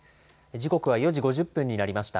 時刻は４時５０分になりました。